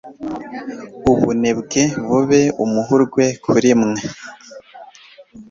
ubunebwe bube umuhurwe kurimwe